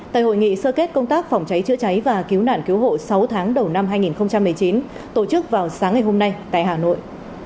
tại hội nghị sơ kết công tác phòng cháy chữa cháy và cứu nạn cứu hộ sáu tháng đầu năm hai nghìn một mươi chín tổ chức vào sáng ngày hôm nay tại hà nội